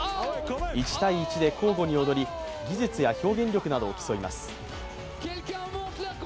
１対１で、交互に踊り、技術や表現力などを競います。